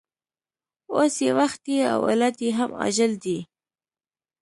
اوس یې وخت دی او علت یې هم عاجل دی